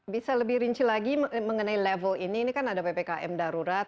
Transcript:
bisa lebih rinci lagi mengenai level ini ini kan ada ppkm darurat